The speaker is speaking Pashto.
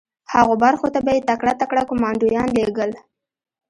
هغو برخو ته به یې تکړه تکړه کمانډویان لېږل